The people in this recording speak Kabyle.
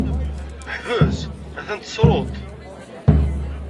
Ḥbes! a-t-an tessruḍ-t!